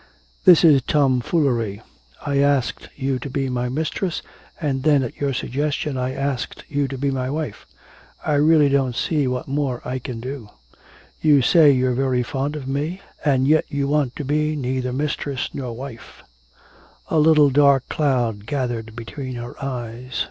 'This is tomfoolery. I asked you to be my mistress, and then, at your suggestion, I asked you to be my wife; I really don't see what more I can do. You say you're very fond of me, and yet you want to be neither mistress nor wife.' A little dark cloud gathered between her eyes.